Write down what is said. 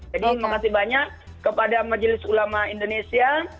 jadi terima kasih banyak kepada majelis ulama indonesia